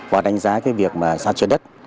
và đánh giá cái việc sạt trượt đất